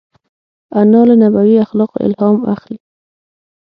انا له نبوي اخلاقو الهام اخلي